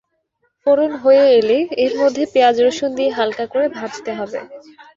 ফোড়ন হয়ে এলে এর মধ্যে পেঁয়াজ রসুন দিয়ে হালকা করে ভাজতে হবে।